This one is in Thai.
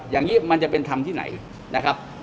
อย่างนี้มันจะเป็นธรรมที่ไหนนะครับ